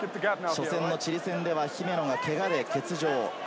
初戦のチリ戦では姫野がけがで欠場。